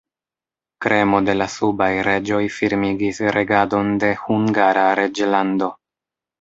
Kremo de la subaj reĝoj firmigis regadon de Hungara reĝlando.